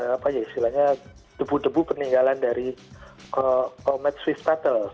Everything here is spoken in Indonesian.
apa ya istilahnya debu debu peninggalan dari komet swiss pattles